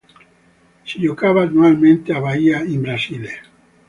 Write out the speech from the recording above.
Si giocava annualmente a Bahia in Brasile.